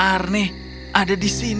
kalau mereka ingin tinggal di agen painu